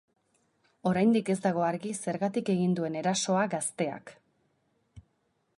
Oraindik ez dago argi zergatik egin duen erasoa gazteak.